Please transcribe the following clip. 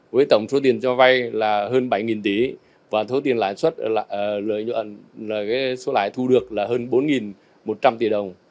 với tổng số tiền cho vay là hơn bảy tỷ và số tiền lãi số lãi thu được là hơn bốn một trăm linh tỷ đồng